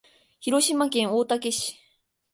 広島県大竹市